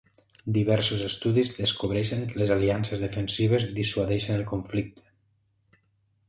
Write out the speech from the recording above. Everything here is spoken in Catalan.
Diversos estudis descobreixen que les aliances defensives dissuadeixen el conflicte.